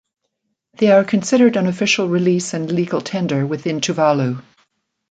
They are considered an official release and legal tender within Tuvalu.